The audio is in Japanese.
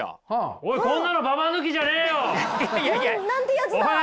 おいこんなのババ抜きじゃねえよ！なんてやつだ。